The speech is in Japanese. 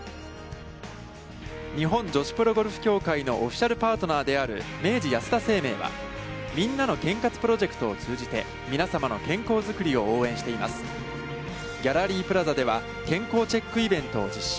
日本女子プロゴルフ協会のオフィシャルパートナーである明治安田生命は「みんなの健活プロジェクト」を通じて皆様の健康づくりを応援していますギャラリープラザでは、健康チェックイベントを実施。